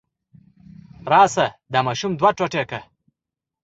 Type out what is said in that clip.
راشه دا ماشوم دوه ټوټې کړه.